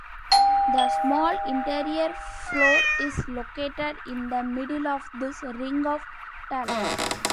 The small interior floor is located in the middle of this ring of talus.